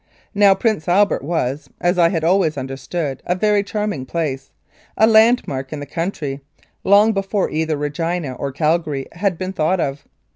Now, Prince Albert was, as I had always understood, a very charming place a landmark in the country, long before either Regina or Calgary had been thought of.